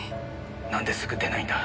なんですぐ出ないんだ？